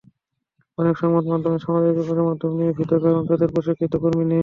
অনেক সংবাদমাধ্যম সামাজিক যোগাযোগমাধ্যম নিয়ে ভীত, কারণ তাদের প্রশিক্ষিত কর্মী নেই।